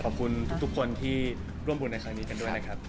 ขอบคุณทุกคนที่ร่วมบุญในครั้งนี้กันด้วยนะครับ